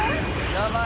やばい！